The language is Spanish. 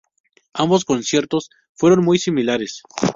Ambos conciertos fueron muy similares.